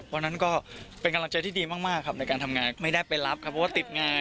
วันนั้นก็เป็นกำลังใจที่ดีมากครับในการทำงานไม่ได้ไปรับครับเพราะว่าติดงาน